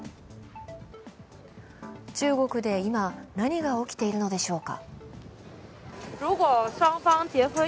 中国で今、何が起きているのでしょうか。